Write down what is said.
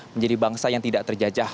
menjadi bangsa yang tidak terjajah